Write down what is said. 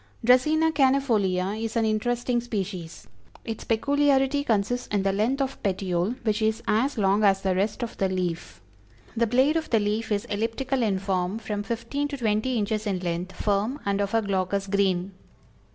Dracæna cannæfolia is an interesting species. Its peculiarity consists in the length of petiole, which is as long as the rest of the leaf. The blade of the leaf is elliptical in form, from fifteen to twenty inches in length, firm, and of a glaucous green.